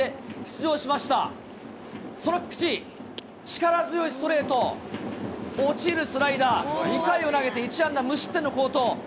力強いストレート、落ちるスライダー、２回を投げて１安打無失点の好投。